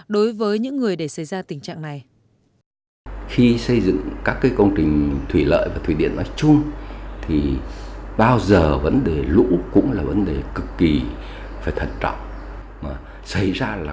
đối với những người để xảy ra tình trạng này